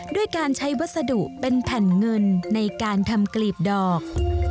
ด้วยการใช้วัสดุเป็นแผ่นเงินในการทำกลีบดอก